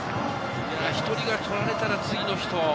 １人が取られたら、次の人。